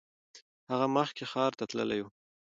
هغه مخکې ښار ته تللی و.